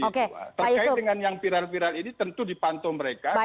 terkait dengan yang viral viral ini tentu dipantau mereka